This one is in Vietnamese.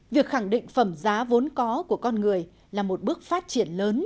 việc khẳng định phẩm giá vốn có của con người là một bước phát triển lớn